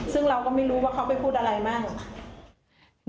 ซึ่งเราก็ไม่รู้ว่าเขาไปพูดอะไรมาก